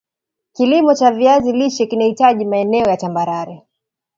kilimo cha viazi lishe kinahitaji maeneo ya tambarare